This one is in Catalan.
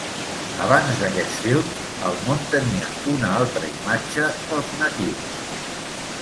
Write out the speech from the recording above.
Abans d'aquests films, el món tenia una altra imatge dels natius.